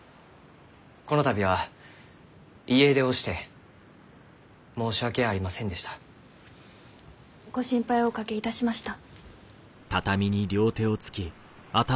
この度は家出をして申し訳ありませんでした。ご心配をおかけいたしました。